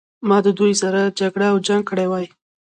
ما د دوی سره جګړه او جنګ کړی وای.